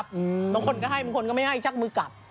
บางคนก็ให้บางคนก็ไม่ให้ชักมือกลับ